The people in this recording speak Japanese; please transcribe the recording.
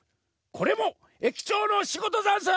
これも駅長のしごとざんす！